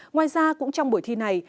ngoài ra cũng trong buổi thi này